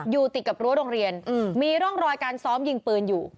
อยู่ติดกับรั้วโรงเรียนมีร่องรอยการซ้อมยิงปืนอยู่